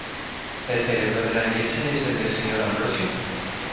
¿El cerebro de la derecha es el del señor Ambrosio?